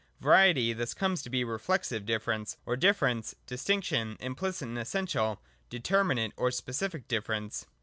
Variety thus comes to be reflexive difference, or difference (distinction) implicit and essential, determinate or specific difference.